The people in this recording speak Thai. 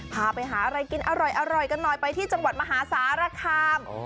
พาไปหาอะไรกินอร่อยกันหน่อยไปที่จังหวัดมหาสารคาม